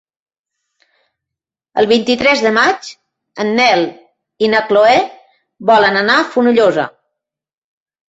El vint-i-tres de maig en Nel i na Chloé volen anar a Fonollosa.